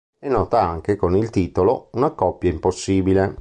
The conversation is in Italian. È nota anche con il titolo Una coppia impossibile.